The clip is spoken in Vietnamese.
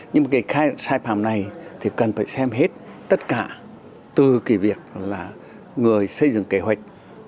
nhưng mà cái sai phạm này thì cần phải xem hết tất cả từ cái việc là người xây dựng kế hoạch